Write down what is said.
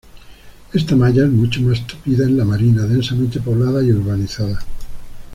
Esta malla es mucho más tupida en La Marina, densamente poblada y urbanizada.